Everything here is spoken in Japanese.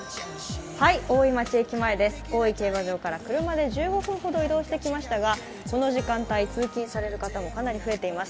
大井競馬場から車で１５分ほど移動してきましたが、この時間帯、通勤される方もかなり増えています。